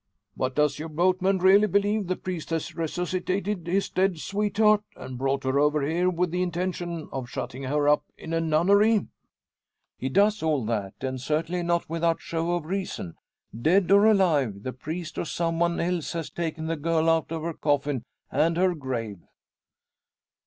"But does your boatman really believe the priest has resuscitated his dead sweetheart and brought her over here with the intention of of shutting her up in a nunnery?" "He does all that; and certainly not without show of reason. Dead or alive, the priest or some one else has taken the girl out of her coffin, and her grave."